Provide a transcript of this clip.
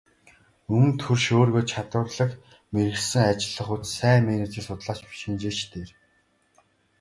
Өмнөд хөрш өөрийгөө чадварлаг мэргэшсэн ажиллах хүч, сайн менежер, судлаач, шинжээчдээр хангаж цэнэглэж байна.